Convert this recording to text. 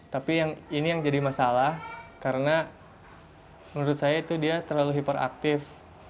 tapi ini yang jadi masalah karena menurut saya itu dia terlalu hiperaktif